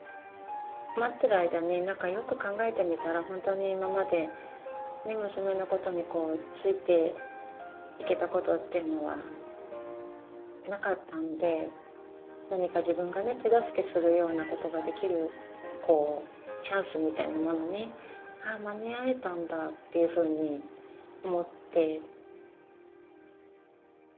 待ってる間に何かよく考えてみたら本当に今まで娘のことについていけたことっていうのはなかったので何か自分がね手助けするようなことができるこうチャンスみたいなものに「ああ間に合えたんだ」っていうふうに思って。